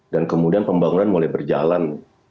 dan kemudian pembangunan mulai berjalan